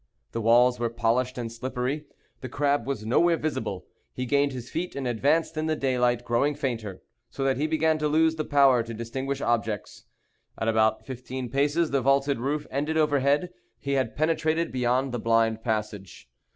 The walls were polished and slippery. The crab was nowhere visible. He gained his feet and advanced in daylight growing fainter, so that he began to lose the power to distinguish objects. At about fifteen paces the vaulted roof ended overhead. He had penetrated beyond the blind passage.